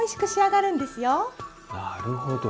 なるほど。